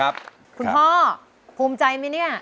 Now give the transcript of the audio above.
คุณพ่อภูมิใจไหมเนี่ย